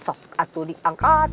sok atu diangkat